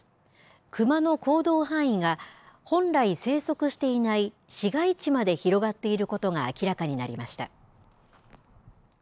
クマの行動範囲が、本来生息していない市街地まで広がっていることが明らかになりました。